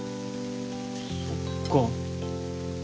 そっか。